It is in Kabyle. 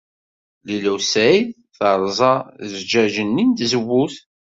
Lila u Saɛid terẓa zzjaj-nni n tzewwut.